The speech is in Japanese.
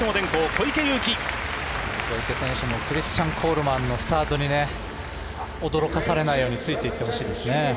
小池選手もクリスチャン・コールマンのスタートに驚かされないようについていってほしいですね。